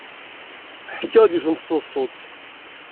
Ḥkiɣ-d yiwet n tseḍsut.